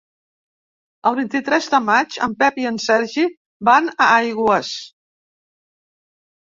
El vint-i-tres de maig en Pep i en Sergi van a Aigües.